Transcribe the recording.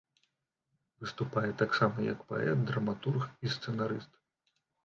Выступае таксама як паэт, драматург і сцэнарыст.